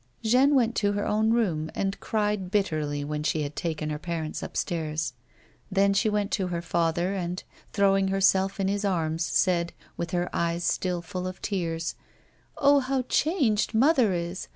Jeanne went to her own room and cried bitterly when she had taken her parents upstairs. Then she went to her father and, throwing herself in his arms, said, with her eves still full of tears ;" Oh, how changed mother is